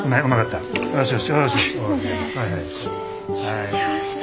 緊張した。